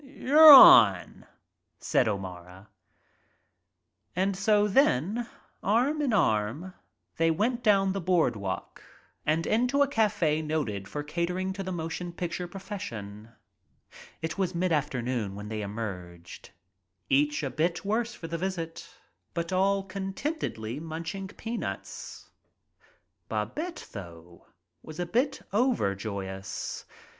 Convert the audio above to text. "You're on," said O'Mara. so then, arm in arm, they went down the broad walk and into a cafe noted for catering to the motion picture profession. '.. It was mid afternoon when they emerged, each a bit worse for the visit, but all contentedly munching peanuts. Babette, though, was a bit overjoyous.